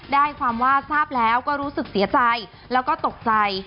ได้ความว่าทราบแล้วก็รู้สึกเสียใจแล้วก็ตกใจ